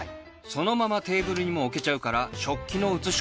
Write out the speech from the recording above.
そのままテーブルにも置けちゃうから食器の移し替えも不要！